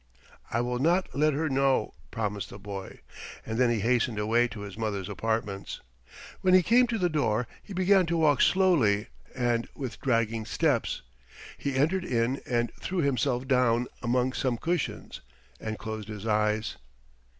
"I will not let her know," promised the boy, and then he hastened away to his mother's apartments. When he came to the door he began to walk slowly and with dragging steps. He entered in and threw himself down among some cushions and closed his eyes.